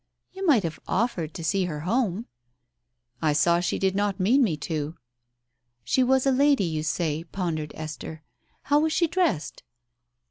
"You might have offered to see her home." "I saw she did not mean me to." "She was a lady, you say," pondered Esther. "How was she dressed